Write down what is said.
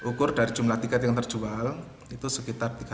ukur dari jumlah tiket yang terjual itu sekitar tiga ratus